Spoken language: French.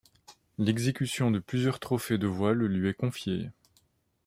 L'exécution de plusieurs trophées de voile lui est confiée.